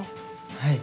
はい。